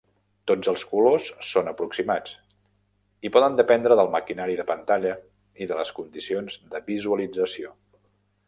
Tots els colors són aproximats i poden dependre del maquinari de pantalla i de les condicions de visualització.